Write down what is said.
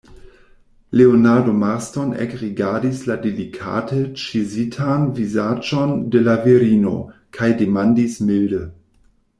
Leonardo Marston ekrigardis la delikate ĉizitan vizaĝon de la virino, kaj demandis milde: